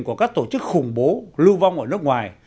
của các tổ chức khủng bố lưu vong ở nước ngoài